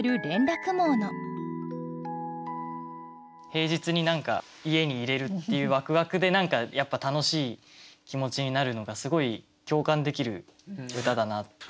平日に家にいれるっていうワクワクで何かやっぱ楽しい気持ちになるのがすごい共感できる歌だなと。